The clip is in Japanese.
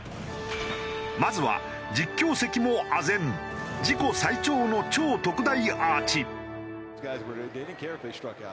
まずは実況席もあぜん自己最長の超特大アーチ。